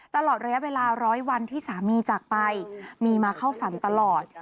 ตลอดระยะเวลาร้อยวันที่สามีจากไปมีมาเข้าฝันตลอด